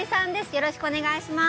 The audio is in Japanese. よろしくお願いします